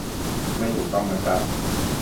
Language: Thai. ไม่ถูกต้องนะครับ